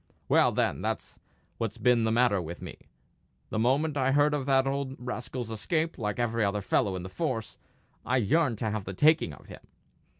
Well, then, that's what's been the matter with me. The moment I heard of that old rascal's escape, like every other fellow in the force, I yearned to have the taking of him.